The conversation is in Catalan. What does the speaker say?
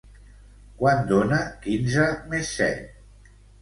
Quant dona quinze més set?